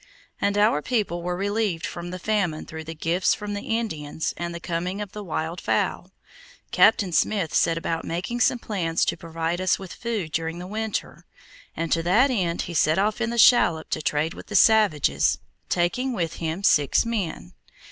After our people were relieved from the famine through the gifts from the Indians and the coming of wild fowl, Captain Smith set about making some plans to provide us with food during the winter, and to that end he set off in the shallop to trade with the savages, taking with him six men.